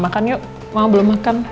mama makan yuk mama belum makan